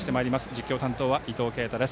実況担当は伊藤慶太です。